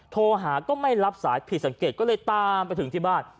โทรหาก็ไม่รับสายผิดสังเกตก็เลยตามไปถึงที่บ้าน